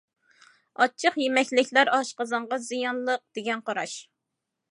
ئاچچىق يېمەكلىكلەر ئاشقازانغا زىيانلىق، دېگەن قاراش.